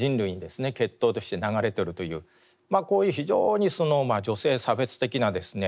血統として流れているというこういう非常に女性差別的なですね